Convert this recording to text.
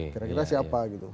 kira kira siapa gitu